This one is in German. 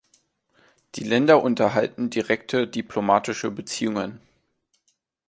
Die Länder unterhalten direkte diplomatische Beziehungen.